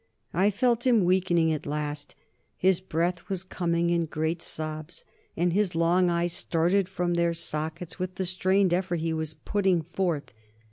I felt him weakening at last. His breath was coming in great sobs, and his long eyes started from their sockets with the strained effort he was putting forth.